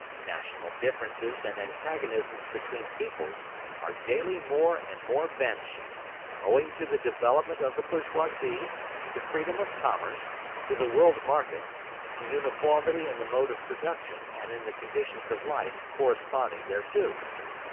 National differences and antagonisms between peoples are daily more and more vanishing, owing to the development of the bourgeoisie, to freedom of commerce, to the world market, to uniformity in the mode of production and in the conditions of life corresponding thereto.